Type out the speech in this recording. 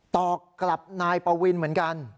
ตอบกลับนายปวินเหมือนกัน